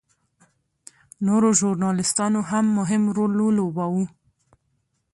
نورو ژورنالېستانو هم مهم رول ولوباوه.